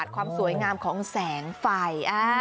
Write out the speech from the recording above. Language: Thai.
ดีกับความสวยงามของแสงไฟ